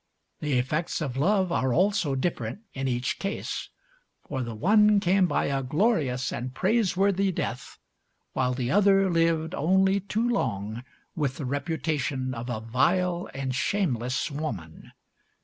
The effects of love are also different in each case; for the one came by a glorious and praiseworthy death, while the other lived only too long with the reputation of a vile and shameless woman.